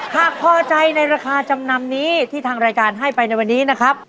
หากพอใจในราคาจำนำนี้ที่ทางรายการให้ไปในวันนี้นะครับ